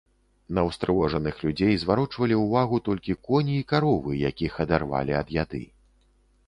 На ўстрывожаных людзей зварочвалі ўвагу толькі коні і каровы, якіх адарвалі ад яды.